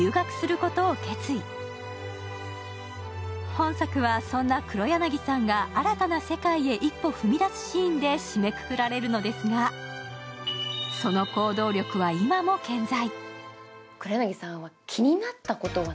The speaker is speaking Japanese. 本作は、そんな黒柳さんが新たな世界へ一歩踏み出すシーンで締めくくられるのですが、その行動力は今も健在。